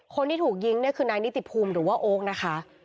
คนที่ถูกยิงเนี่ยคือนายนิติภูมิหรือว่าโอ๊คนะคะ